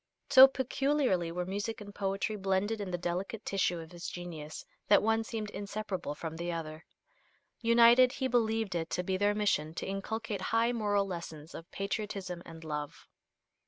So peculiarly were music and poetry blended in the delicate tissue of his genius that one seemed inseparable from the other. United, he believed it to be their mission to inculcate high moral lessons of patriotism and love.